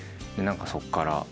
何かそっから。